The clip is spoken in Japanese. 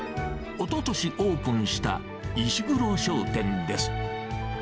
おととしオープンした石黒商店です。